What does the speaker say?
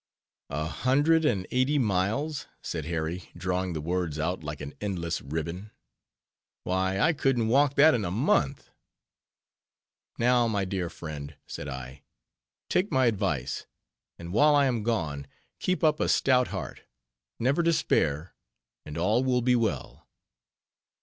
"A hundred and eighty miles!" said Harry, drawing the words out like an endless ribbon. "Why, I couldn't walk that in a month." "Now, my dear friend," said I, "take my advice, and while I am gone, keep up a stout heart; never despair, and all will be well."